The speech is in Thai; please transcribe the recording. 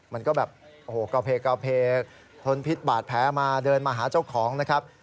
มันก็แบบโอ้โหกระเพกทนพิษบาดแผลมาเดินมาหาเจ้าของนะครับ